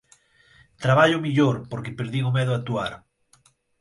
"Traballo mellor, porque perdín o medo a actuar"